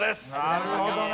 なるほどね。